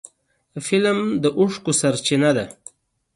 فلم د اوښکو سرچینه ده